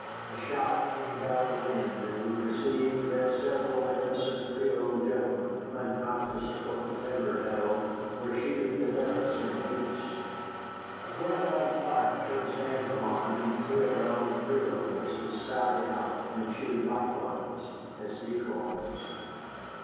A shot came down the wind, and we perceived that several innocent Creole gentlemen, unconscious of what the timber held, were shooting the ducks and geese. Whereupon Clark chose Antoine and three of our own Creoles to sally out and shoot likewise as decoys.